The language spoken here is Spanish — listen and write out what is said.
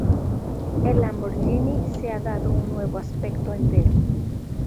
El Lamborghini se ha dado un nuevo aspecto entero.